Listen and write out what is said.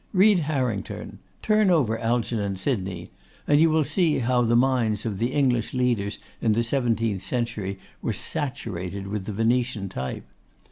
Read Harrington; turn over Algernon Sydney; then you will see how the minds of the English leaders in the seventeenth century were saturated with the Venetian type.